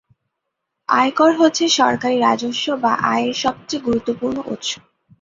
আয়কর হচ্ছে সরকারি রাজস্ব বা আয়ের সবচেয়ে গুরুত্বপূর্ণ উৎস।